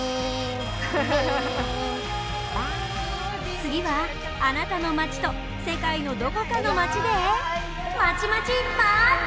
次はあなたのまちと世界のどこかのまちでまちまちマッチ！